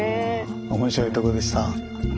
面白いとこでした。